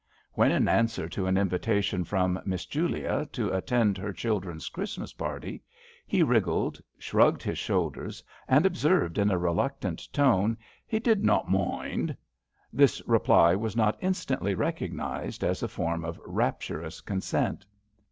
When in answer to an invitation from "Miss Julia" to attend her children's Christmas party, he wriggled, shrugged his shoulders, and observed in a reluctant tone, "he did not moind," this reply was not instantly recognised as a form or rapturous consent.